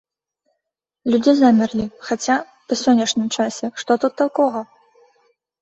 Людзі замерлі, хаця, па сённяшнім часе, што тут такога?